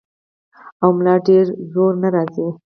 او ملا ډېر زور نۀ راځي -